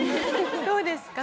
どうですか？